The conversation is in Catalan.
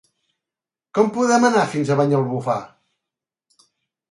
Com podem anar fins a Banyalbufar?